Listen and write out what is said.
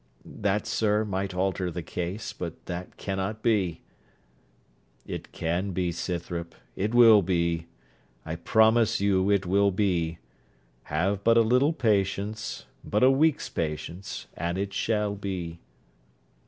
'That, sir, might alter the case: but that cannot be.' 'It can be, Scythrop; it will be: I promise you it will be. Have but a little patience but a week's patience; and it shall be.'